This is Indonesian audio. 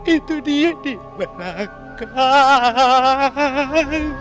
itu dia di belakang